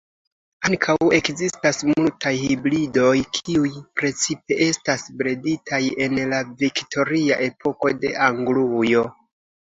Ankaŭ ekzistas multaj hibridoj, kiuj precipe estas breditaj en la viktoria epoko de Anglujo.